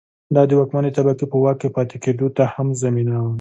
دا د واکمنې طبقې په واک کې پاتې کېدو ته هم زمینه وه.